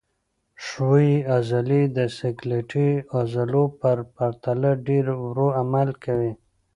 ښویې عضلې د سکلیټي عضلو په پرتله ډېر ورو عمل کوي.